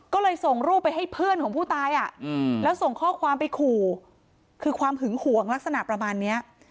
ก็เลยส่งรูปไปให้เพื่อนของผู้ตายแล้วส่งข้อความไปขู่คือความหึงหวงลักษณะประมาณเนี้ย